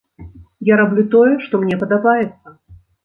Я раблю тое, што мне падабаецца!